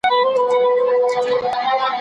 د وړۍ کمښت هم شتون درلود.